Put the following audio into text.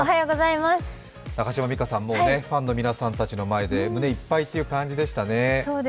中島美嘉さん、ファンの皆さんの前で胸いっぱいという感じでしたね。